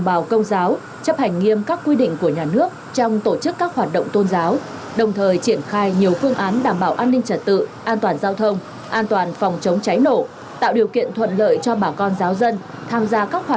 bàn hành giáo sứ ngọc thủy cũng đã thống nhất chỉ tập trung tổ chức phần hội bên ngoài